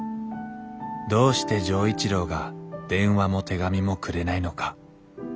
どうして錠一郎が電話も手紙もくれないのか